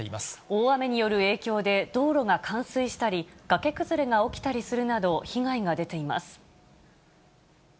大雨による影響で道路が冠水したり、崖崩れが起きたりするなど、被害が出ています。